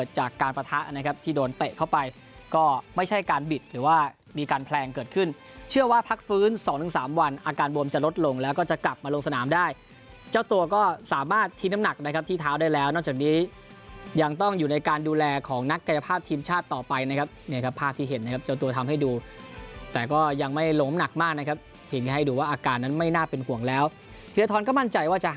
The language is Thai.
เชื่อว่าพักฟื้นสองถึงสามวันอาการบวมจะลดลงแล้วก็จะกลับมาลงสนามได้เจ้าตัวก็สามารถทิ้งน้ำหนักนะครับที่เท้าได้แล้วนอกจากนี้ยังต้องอยู่ในการดูแลของนักกายภาพทีมชาติต่อไปนะครับเนี้ยครับภาพที่เห็นนะครับเจ้าตัวทำให้ดูแต่ก็ยังไม่ลมหนักมากนะครับเห็นให้ดูว่าอาการนั้นไม่น่าเป็นห่